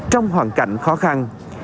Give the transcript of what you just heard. trong hoàn cảnh khó khăn